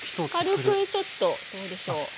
軽くちょっとどうでしょう？